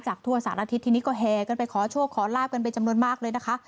ทั่วสารทิศทีนี้ก็แห่กันไปขอโชคขอลาบกันเป็นจำนวนมากเลยนะคะ